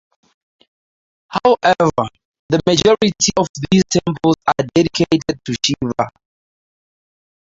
However, the majority of these temples are dedicated to Shiva.